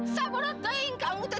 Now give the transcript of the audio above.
sabunat deh kamu teh